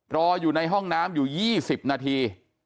รออยู่ในห้องน้ำอยู่๒๐นาที